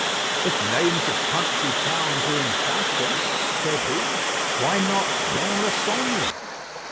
"If names of country towns are in fashion," said he, "why not Lons le Saulnier?"